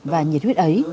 và nhiệt huyết ấy